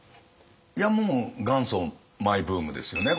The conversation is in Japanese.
いやもう元祖マイブームですよね